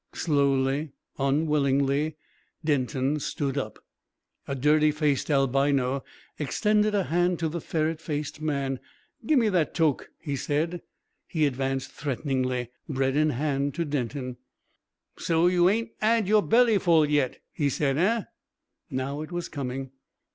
Slowly, unwillingly, Denton stood up. A dirty faced albino extended a hand to the ferret faced man. "Gimme that toke," he said. He advanced threateningly, bread in hand, to Denton. "So you ain't 'ad your bellyful yet," he said. "Eh?" Now it was coming.